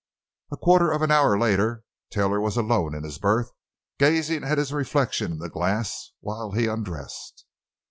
A quarter of an hour later Taylor was alone in his berth, gazing at his reflection in the glass while he undressed.